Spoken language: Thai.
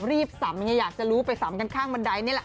สำไงอยากจะรู้ไปสำกันข้างบันไดนี่แหละ